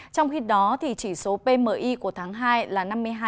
trong khi đó thì chỉ số pmi của tháng hai là năm mươi hai năm